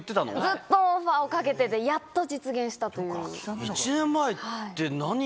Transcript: ずっとオファーをかけててやっと実現したという。